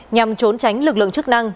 nhằm trốn tránh lực lượng chức năng